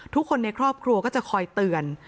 ทุกคนในครอบครัวก็จะคอยเตือน